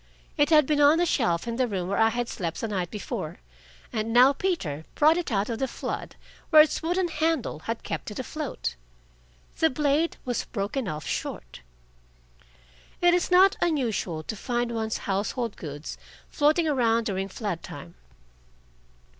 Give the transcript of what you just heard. It had been on a shelf in the room where I had slept the night before, and now Peter brought it out of the flood where its wooden handle had kept it afloat. The blade was broken off short. It is not unusual to find one's household goods floating around during flood time.